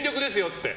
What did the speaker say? って。